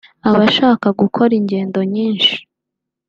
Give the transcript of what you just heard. abasha gukora ingendo nyinshi